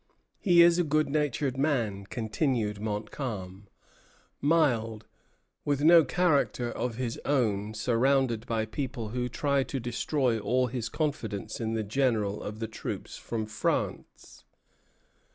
"He is a good natured man," continues Montcalm, "mild, with no character of his own, surrounded by people who try to destroy all his confidence in the general of the troops from France.